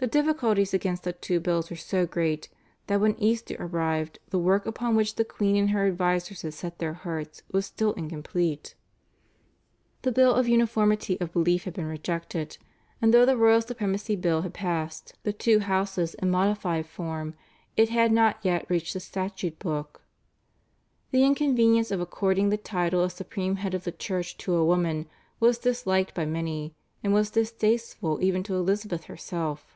The difficulties against the two bills were so great that when Easter arrived the work upon which the queen and her advisers had set their hearts was still incomplete. The Bill of Uniformity of belief had been rejected, and though the Royal Supremacy Bill had passed the two Houses in modified form it had not yet reached the statute book. The inconvenience of according the title of supreme head of the Church to a woman was disliked by many, and was distasteful even to Elizabeth herself.